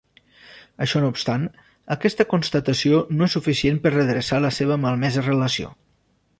Això no obstant, aquesta constatació no és suficient per redreçar la seva malmesa relació.